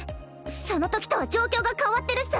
そのときとは状況が変わってるっス。